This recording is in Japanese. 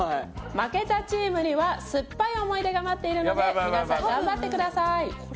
負けたチームには酸っぱい思い出が待っているので皆さん頑張ってください。